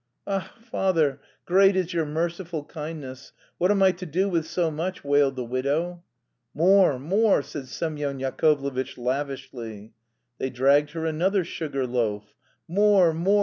"Ach, father; great is your merciful kindness. What am I to do with so much?" wailed the widow. "More, more," said Semyon Yakovlevitch lavishly. They dragged her another sugar loaf. "More, more!"